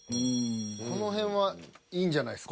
この辺はいいんじゃないですか？